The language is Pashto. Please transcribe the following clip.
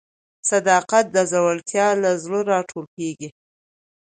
صداقت د زړورتیا له زړه راټوکېږي.